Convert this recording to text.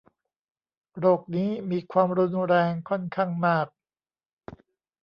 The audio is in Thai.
โรคนี้มีความรุนแรงค่อนข้างมาก